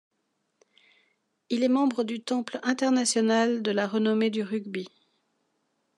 Il est membre du Temple international de la renommée du rugby.